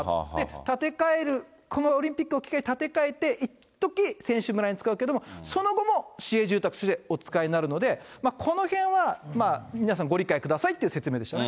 建て替える、このオリンピックを機会に建て替えて、いっとき選手村に使うけども、その後も市営住宅としてお使いになるので、このへんは、皆さんご理解くださいっていう説明でしたね。